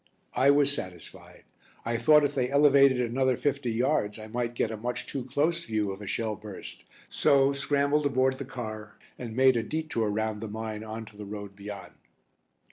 I was satisfied. I thought if they elevated another fifty yards I might get a much too close view of a shell burst, so scrambled aboard the car, and made a detour round the mine on to the road beyond.